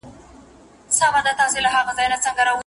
وروسته چیري ځي په هیڅ نه یم خبره